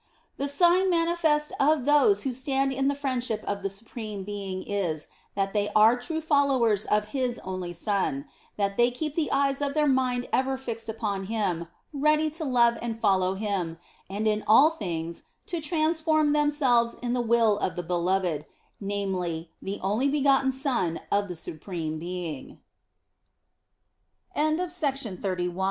The sign manifest of those who stand in the friendship of the Supreme Being is, that they are true followers of His only Son, that they keep the eyes of their mind ever fixed upon Him, ready to love and follow Him, and in all things to transform themselves in the will of the Beloved, namely, the only begotten